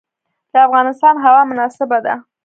د افغانستان هوا مناسبه ده.